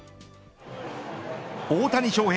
大谷翔平